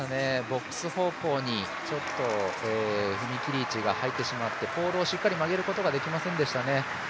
ボックス方向に、ちょっと踏切位置が入ってしまってポールをしっかり曲げることができませんでしたね。